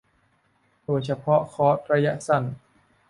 โดยเฉพาะคอร์สระยะสั้น